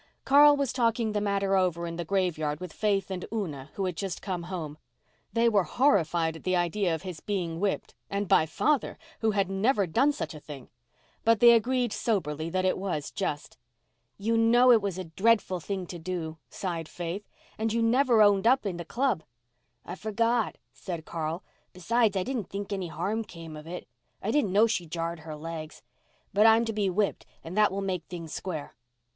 Carl was talking the matter over in the graveyard with Faith and Una, who had just come home. They were horrified at the idea of his being whipped—and by father, who had never done such a thing! But they agreed soberly that it was just. "You know it was a dreadful thing to do," sighed Faith. "And you never owned up in the club." "I forgot," said Carl. "Besides, I didn't think any harm came of it. I didn't know she jarred her legs. But I'm to be whipped and that will make things square."